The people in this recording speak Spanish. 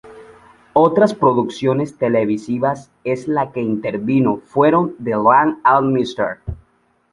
Otras producciones televisivas en las que intervino fueron "The Law and Mr.